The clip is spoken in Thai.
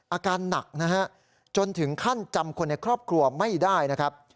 อาการหนักนะฮะจนถึงขั้นจำคนในครอบครัวไม่ได้นะครับ